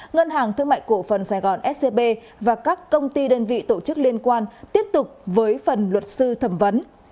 ngân hàng thương mại cổ phần sài gòn scb và các công ty đơn vị tổ chức liên quan tiếp tục với phần luật sư thẩm vấn